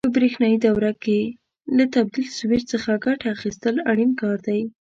په برېښنایي دوره کې له تبدیل سویچ څخه ګټه اخیستل اړین کار دی.